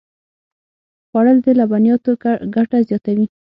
خوړل د لبنیاتو ګټه زیاتوي